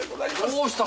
どうした？